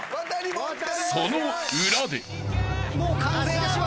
［その裏で］